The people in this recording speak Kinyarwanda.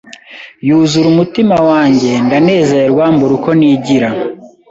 yuzura umutima wanjye, ndanezerwa mbura uko nigira